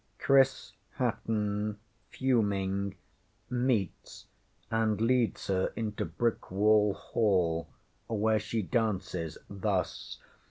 ŌĆśChris Hatton, fuming, meets and leads her into Brickwall Hall, where she dances thus.